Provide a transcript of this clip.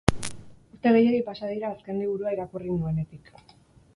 Urte gehiegi pasa dira azken liburua irakurri nuenetik.